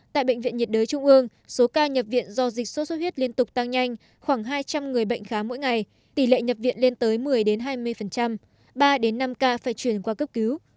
tại bệnh viện nhiệt đới trung ương số ca nhập viện do dịch sốt xuất huyết liên tục tăng nhanh khoảng hai trăm linh người bệnh khám mỗi ngày tỷ lệ nhập viện lên tới một mươi hai mươi ba năm ca phải chuyển qua cấp cứu